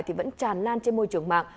thì vẫn tràn lan trên môi trường mạng